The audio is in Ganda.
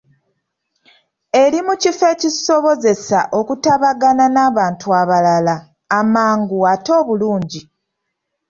Eri mu kifo ekigisobozesa okutabagana n’abantu abalala amangu ate obulungi.